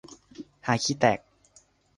ฮาขี้แตก